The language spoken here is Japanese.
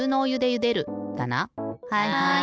はい！